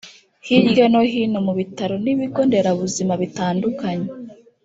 Hirya no hino mu bitaro n’ibigo nderabuzima bitandukanye